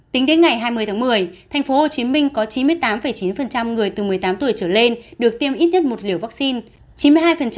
tính đến ngày hai mươi tháng một mươi thành phố hồ chí minh có chín mươi tám chín người từ một mươi tám tuổi trở lên được tiêm ít nhất một liều vaccine